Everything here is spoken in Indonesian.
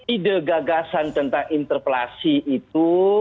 ide gagasan tentang interpelasi itu